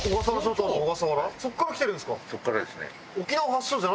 そこから来てるんですか？